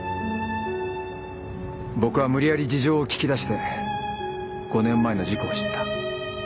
僕は無理やり事情を聞き出して５年前の事故を知った。